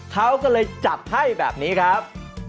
เขาก็เลยจัดให้แบบนี้ครับ